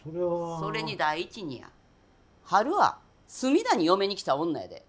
それに第一にやハルは角田に嫁に来た女やで。